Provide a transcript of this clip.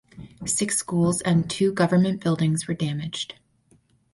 Six schools and two government buildings were damaged.